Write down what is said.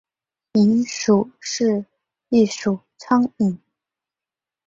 蝇属是一属苍蝇。